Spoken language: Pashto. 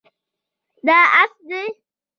دا اس دی